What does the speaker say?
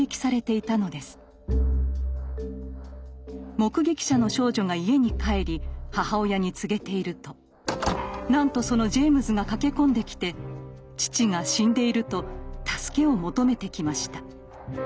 目撃者の少女が家に帰り母親に告げているとなんとそのジェイムズが駆け込んできて父が死んでいると助けを求めてきました。